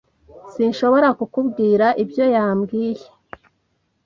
S S Sinshobora kukubwira ibyo yambwiye.